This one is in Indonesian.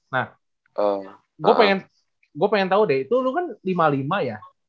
nah gue pengen tahu deh itu lu kan lima puluh lima ya